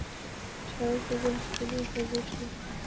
ښایست د ذهن ښکلې خوځښت دی